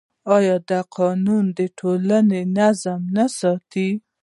آیا دا قانون د ټولنې نظم نه ساتي؟